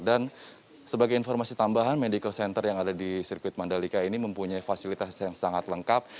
dan sebagai informasi tambahan medical center yang ada di sirkuit mandalika ini mempunyai fasilitas yang sangat lengkap